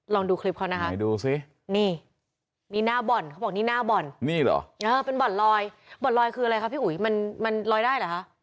ลองดูคลิปเขานะคะนี่นี่หน้าบ่อนเขาบอกนี่หน้าบ่อนนี่เหรอเป็นบ่อนลอยบ่อนลอยคืออะไรคะพี่อุ๋ยมันมันลอยได้เหรอคะ